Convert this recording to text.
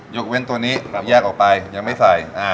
ยกเว้นตัวนี้แยกออกไปยังไม่ใส่